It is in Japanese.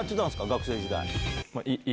学生時代。